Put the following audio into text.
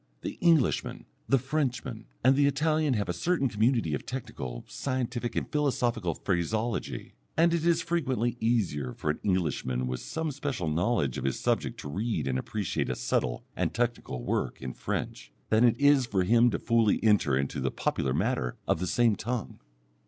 The Englishman, the Frenchman, and the Italian have a certain community of technical, scientific, and philosophical phraseology, and it is frequently easier for an Englishman with some special knowledge of his subject to read and appreciate a subtle and technical work in French, than it is for him to fully enter into the popular matter of the same tongue.